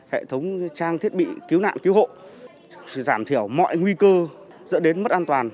hệ thống trang thiết bị cứu nạn cứu hộ giảm thiểu mọi nguy cơ dẫn đến mất an toàn